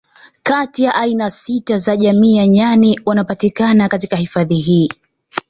Kati ya aina sita za jamii ya nyani wanapatikana katika hifadhi hii